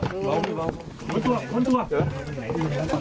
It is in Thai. เดี๋ยวดูภาพตรงนี้หน่อยนะฮะเพราะว่าทีมขาวของเราไปเจอตัวในแหบแล้วจับได้พอดีเลยนะฮะ